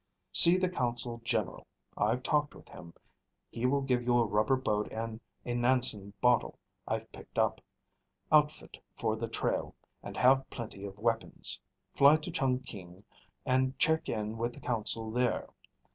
"See the consul general. I've talked with him. He will give you a rubber boat and a Nansen bottle I've picked up. Outfit for the trail, and have plenty of weapons. Fly to Chungking and check in with the consul there.